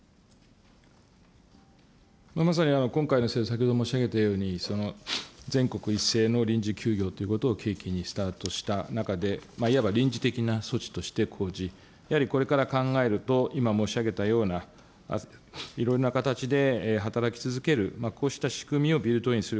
まさに今回の制度、先ほど申し上げたように、全国一斉の臨時休業ということを契機にスタートした中で、いわば臨時的な措置として講じ、やはりこれから考えると、今申し上げたような、いろんな形で働き続けるこうした仕組みをビルトインする